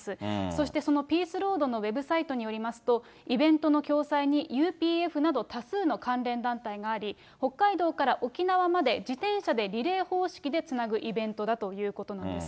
そしてそのピースロードのウェブサイトによりますと、イベントの共催にＵＰＦなど多数の関連団体があり、北海道から沖縄まで自転車でリレー方式でつなぐイベントだということなんです。